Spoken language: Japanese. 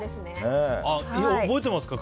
覚えてますか？